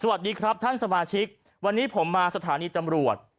สวัสดีครับท่านสมาชิกวันนี้ผมมาสถานีตำรวจ